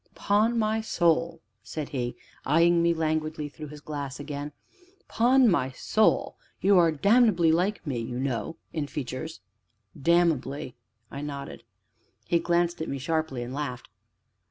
"'Pon my soul!" said he, eyeing me languidly through his glass again, "'pon my soul! you are damnably like me, you know, in features." "Damnably!" I nodded. He glanced at me sharply, and laughed.